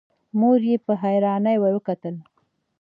مور يې په حيرانی ورته وکتل.